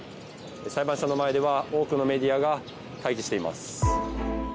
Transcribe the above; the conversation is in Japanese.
裁判所の前では多くのメディアが待機しています。